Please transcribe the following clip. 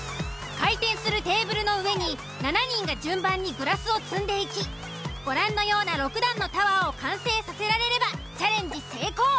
回転するテーブルの上に７人が順番にグラスを積んでいきご覧のような６段のタワーを完成させられればチャレンジ成功。